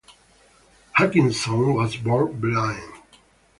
Hutchison was born blind.